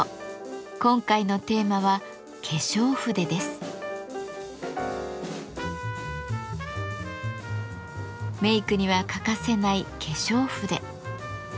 今回のテーマはメイクには欠かせない化粧筆。